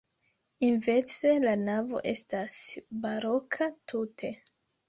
Inverse, la navo estas baroka tute.